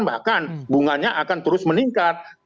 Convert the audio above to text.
bahkan bunganya akan terus meningkat